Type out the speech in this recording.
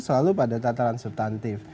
selalu pada tataran substansif